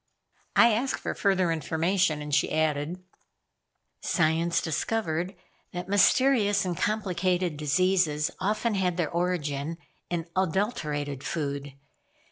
I asked for further information and she added: "Science discovered that mysterious and complicated diseases often had their origin in adulterated food.